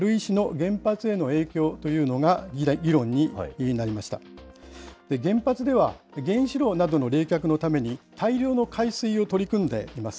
原発では原子炉などの冷却のために、大量の海水を取り組んでいます。